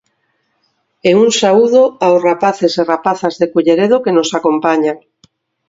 E un saúdo aos rapaces e rapazas de Culleredo que nos acompañan.